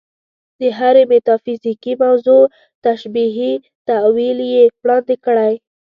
د هرې میتافیزیکي موضوع تشبیهي تأویل یې وړاندې کړی.